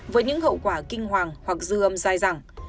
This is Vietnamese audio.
với những hậu quả kinh hoàng hoặc dư âm dài dẳng